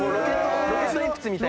ロケット鉛筆みたいに。